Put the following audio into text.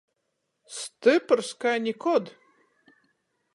Styprs kai nikod.